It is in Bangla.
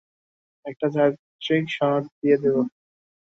একটা চারিত্রিক সনদ দিয়ে দিব।